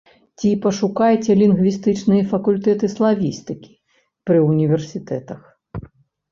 Ці пашукайце лінгвістычныя факультэты славістыкі пры універсітэтах.